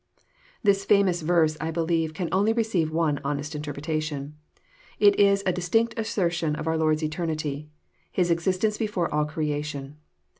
"] This famous verse, I believe, can only receive one honest interpretation. It is a distinct assertion of our Lord's eternity, — His existence before all creation.